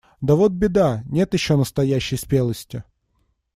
Да вот беда: нет еще настоящей спелости.